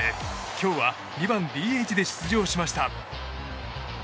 今日は２番ＤＨで出場しました。